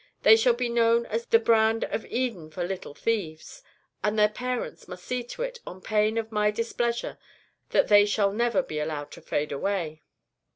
They shall be known as the brand of Eden the brand of Eden for little thieves and their parents must see to it, on pain of My displeasure, that they shall never be allowed to fade away.'